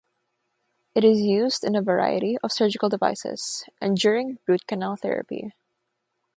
It is used in a variety of surgical devices and during root canal therapy.